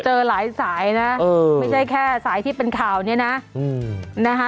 เจอหลายสายนะไม่ใช่แค่สายที่เป็นข่าวเนี่ยนะนะคะ